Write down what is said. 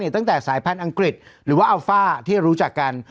ตั้งแต่สายพันธุ์อังกฤษหรือว่าอัลฟ่าที่รู้จักกัน